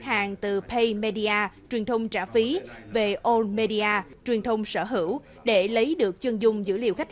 hàng từ pay media về all media để lấy được chân dung dữ liệu khách